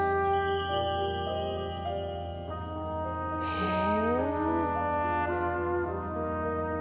へえ。